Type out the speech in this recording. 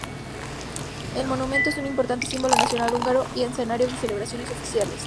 El monumento es un importante símbolo nacional húngaro y escenario de celebraciones oficiales.